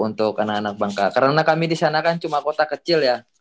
untuk anak anak bangka karena kami disana kan cuma kota kecil ya